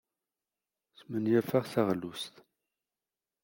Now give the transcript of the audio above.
Smenyafeɣ taɣlust.